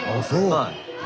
はい。